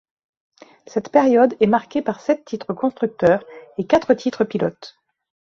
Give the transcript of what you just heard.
Cette période est marquée par sept titres constructeur et quatre titres pilotes.